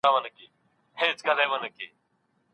هيڅوک بايد له پلټنې پرته د واده تصميم ونه نيسي.